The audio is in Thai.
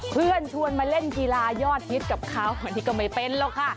ชวนมาเล่นกีฬายอดฮิตกับเขาอันนี้ก็ไม่เป็นหรอกค่ะ